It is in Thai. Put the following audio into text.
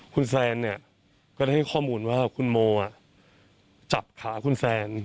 คุณแซนก็ได้ข้อมูลว่าคุณโมจับขาคุณแซน